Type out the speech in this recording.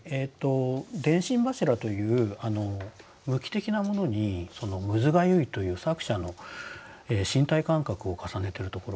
電信柱という無機的なものに「むずがゆい」という作者の身体感覚を重ねてるところがとてもよかったです。